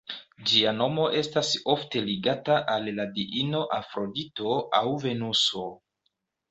Ĝia nomo estas ofte ligata al la diino Afrodito aŭ Venuso.